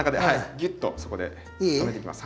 ギュッとそこで留めていきます。